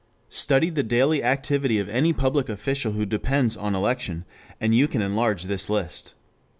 Study the daily activity of any public official who depends on election and you can enlarge this list.